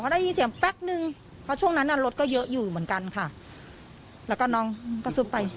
ได้ยินเสียงแป๊บนึงเพราะช่วงนั้นอ่ะรถก็เยอะอยู่เหมือนกันค่ะแล้วก็น้องก็ซุดไป